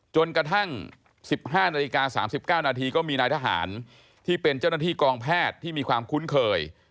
จนกระทั่ง๑๕นาฬิกา๓๙นาทีก็มีนายทหารที่เป็นเจ้าหน้าที่กองแพทย์ที่มีความคุ้นเคย